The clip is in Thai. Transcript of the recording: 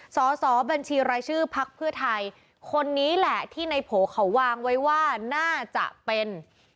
สอสอบัญชีรายชื่อพักเพื่อไทยคนนี้แหละที่ในโผล่เขาวางไว้ว่าน่าจะเป็น